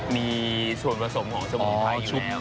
มีส่วนผสมของสมุนไพออยู่แล้ว